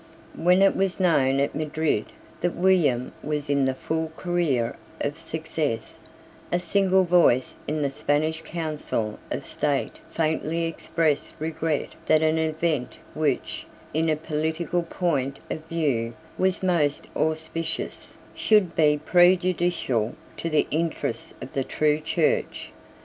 When it was known at Madrid that William was in the full career of success, a single voice in the Spanish Council of State faintly expressed regret that an event which, in a political point of view, was most auspicious, should be prejudicial to the interests of the true Church.